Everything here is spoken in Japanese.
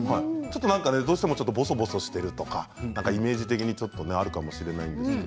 どうしてもボソボソしているとかイメージ的にあるかもしれないんですが。